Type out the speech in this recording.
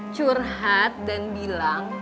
curhat dan bilang